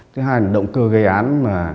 thứ hai là động cơ gây án